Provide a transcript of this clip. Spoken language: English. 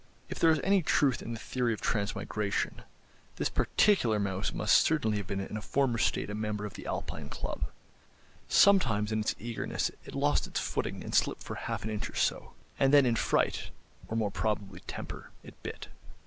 If there is any truth in the theory of transmigration, this particular mouse must certainly have been in a former state a member of the Alpine Club. Sometimes in its eagerness it lost its footing and slipped for half an inch or so; and then, in fright, or more probably temper, it bit.